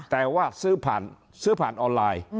แต่ว่าซื้อผ่านออนไลน์